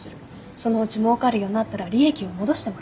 そのうちもうかるようになったら利益を戻してもらう。